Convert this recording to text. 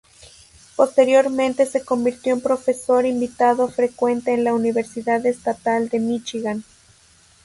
Posteriormente se convirtió en profesor invitado frecuente en la Universidad Estatal de Míchigan.